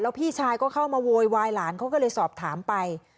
พี่ชายก็เข้ามาโวยวายหลานเขาก็เลยสอบถามไป